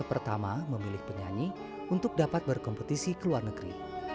pertama memilih penyanyi untuk dapat berkompetisi ke luar negeri